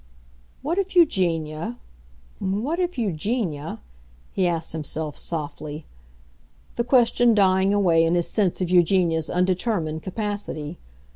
"What if Eugenia—what if Eugenia"—he asked himself softly; the question dying away in his sense of Eugenia's undetermined capacity.